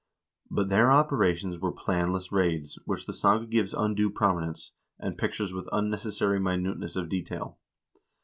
But their operations were planless raids, which the saga gives undue prominence, and pictures with unnecessary minuteness of detail.